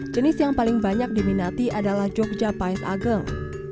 jenis yang paling banyak diminati adalah jogja pais ageng